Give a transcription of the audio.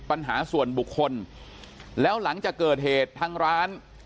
ปัญหาส่วนบุคคลแล้วหลังจากเกิดเหตุทางร้าน